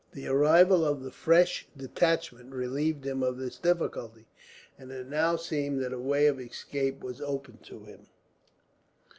The arrival of the fresh detachment relieved him of this difficulty, and it now seemed that a way of escape was open to him.